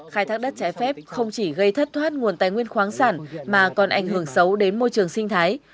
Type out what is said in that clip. khai thác đất trái phép không chỉ gây thất thoát nguồn tài nguyên khoáng sản mà còn ảnh hưởng xấu đến môi trường sinh thái